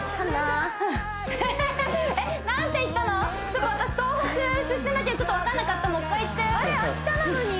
ちょっと私東北出身だけど分かんなかったもう一回言って！